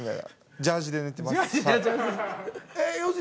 ジャージーで寝てる。